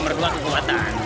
nomor dua kekuatan